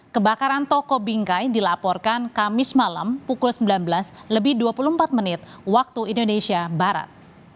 kebakaran toko bingkai dilaporkan kamis malam pukul sembilan belas lebih dua puluh empat menit waktu indonesia barat